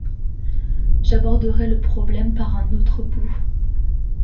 J’aborderai le problème par un autre bout.